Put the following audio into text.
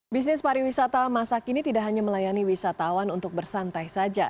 bisnis pariwisata masa kini tidak hanya melayani wisatawan untuk bersantai saja